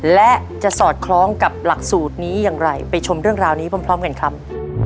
และจะสอดคล้องกับหลักสูตรนี้อย่างไรไปชมเรื่องราวนี้พร้อมกันครับ